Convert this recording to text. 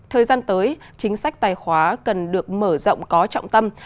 thời gian tới chính sách tài khóa cần được mở rộng có trọng tâm